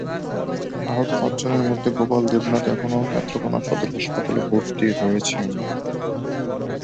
আহত পাঁচজনের মধ্যে গোপাল দেবনাথ এখনো নেত্রকোনা সদর হাসপাতালে ভর্তি রয়েছেন।